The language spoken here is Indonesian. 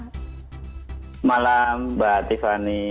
selamat malam mbak tiffany